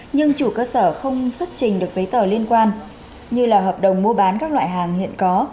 nhưng chủ cơ sở không xuất trình được giấy tờ liên quan như là hợp đồng mua bán các loại hàng hiện có